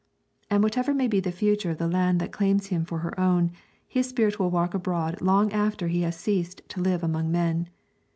And whatever may be the future of the land that claims him for her own, his spirit will walk abroad long after he has ceased to live among men.